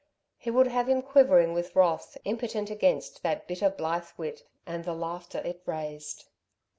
He would have him quivering with wrath, impotent against that bitter, blithe wit and the laughter it raised.